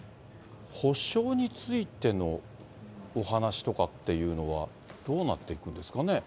補償についてのお話とかっていうのは、どうなっていくんですかね。